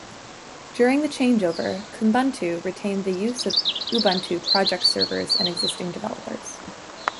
During the changeover, Kubuntu retained the use of Ubuntu project servers and existing developers.